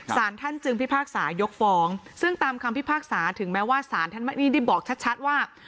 ศาลท่านจึงพิบาลศาสตร์ยกฟองซึ่งตามคำพิบาลศาสตร์ถึงแม้ว่าศาลท่านว่านี้ดีบอกชัดว่า